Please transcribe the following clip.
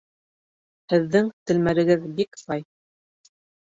Һеҙҙең телмәрегеҙ бик бай.